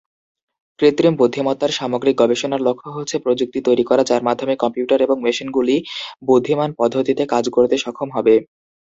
কৃত্রিম বুদ্ধিমত্তার সামগ্রিক গবেষণার লক্ষ্য হচ্ছে প্রযুক্তি তৈরি করা যার মাধ্যমে কম্পিউটার এবং মেশিনগুলি বুদ্ধিমান পদ্ধতিতে কাজ করতে সক্ষম হবে।